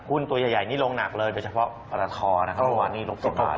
อุ้นตัวใหญ่นี่ลงหนักเลยโดยเฉพาะประทัดคอเมื่อวานนี้ลบต่อมา